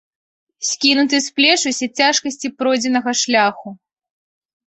Скінуты з плеч усе цяжкасці пройдзенага шляху.